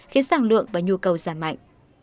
khiến sản lượng và nhu cầu giảm mạnh